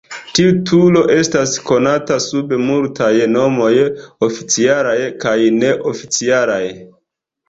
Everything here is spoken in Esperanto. Tiu turo estas konata sub multaj nomoj, oficialaj kaj neoficialaj.